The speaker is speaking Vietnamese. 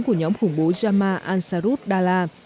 của nhóm khủng bố jama asarus dala